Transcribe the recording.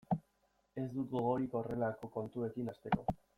Ez dut gogorik horrelako kontuekin hasteko.